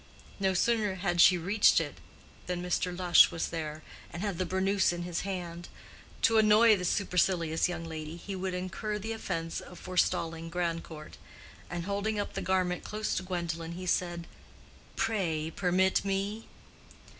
No sooner had she reached it, than Mr. Lush was there, and had the burnous in his hand: to annoy this supercilious young lady, he would incur the offense of forestalling Grandcourt; and, holding up the garment close to Gwendolen, he said, "Pray, permit me?"